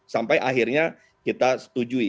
sampai akhirnya kita setujui